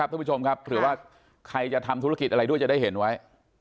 ทุกผู้ชมครับเผื่อว่าใครจะทำธุรกิจอะไรด้วยจะได้เห็นไว้